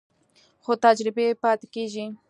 خو تجربې پاتې کېږي.